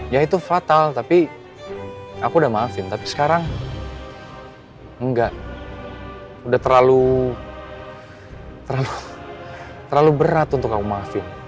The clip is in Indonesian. ya itu fatal tapi aku udah maafin tapi sekarang enggak udah terlalu berat untuk aku maafin